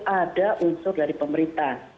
ada unsur dari pemerintah